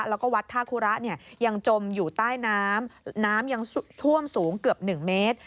แล้วก็วัดท่าคุระเนี่ยยังจมอยู่ใต้น้ำน้ำยังท่วมสูงเกือบ๑เมตร